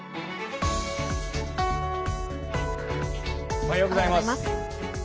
おはようございます。